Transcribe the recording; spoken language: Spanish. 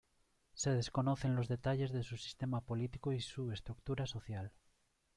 Se desconocen los detalles de su sistema político y su estructura social.